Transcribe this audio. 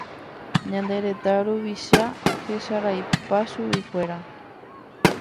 Ñane retã ruvicha hesaraipa chuguikuéra.